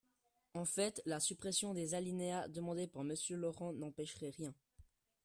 En fait, la suppression des alinéas demandée par Monsieur Laurent n’empêcherait rien.